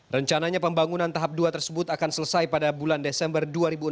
rencananya pembangunan tahap dua tersebut akan selesai pada bulan desember dua ribu enam belas